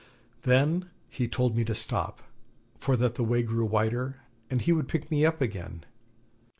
Then he told me to stop, for that the way grew wider and he would pick me up again.